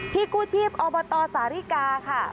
พี่กู้ชีพอสริกาค่ะ